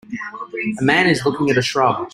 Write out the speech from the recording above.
A man is looking at a shrub.